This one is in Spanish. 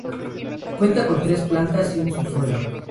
Cuenta con tres plantas y un subsuelo.